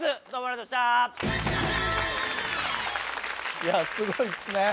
いやすごいっすね。